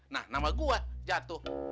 nah nama gue jatuh